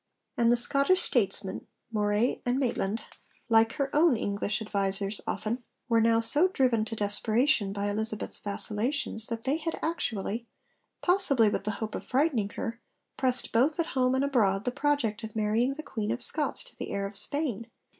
And the Scottish statesmen, Moray and Maitland, like her own English advisers often, were now so driven to desperation by Elizabeth's vacillations that they had actually possibly with the hope of frightening her pressed both at home and abroad the project of marrying the Queen of Scots to the heir of Spain!